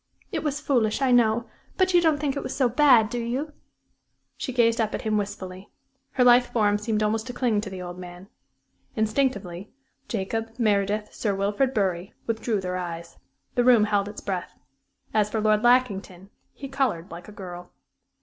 "It was foolish, I know, but you don't think it was so bad, do you?" She gazed up at him wistfully. Her lithe form seemed almost to cling to the old man. Instinctively, Jacob, Meredith, Sir Wilfrid Bury withdrew their eyes. The room held its breath. As for Lord Lackington, he colored like a girl.